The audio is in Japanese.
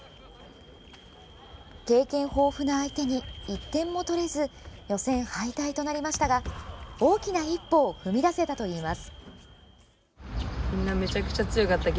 経験豊富な相手に１点も取れず予選敗退となりましたが大きな一歩を踏み出せたといいます。